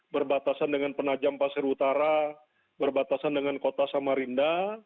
berbatasan dengan penajam pasir utara berbatasan dengan kota samarinda